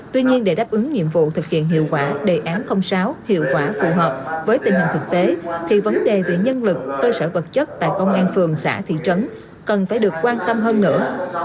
tuy nhiên để đáp ứng nhiệm vụ thực hiện hiệu quả đề án sáu hiệu quả phù hợp với tình hình thực tế thì vấn đề về nhân lực cơ sở vật chất tại công an phường xã thị trấn cần phải được quan tâm hơn nữa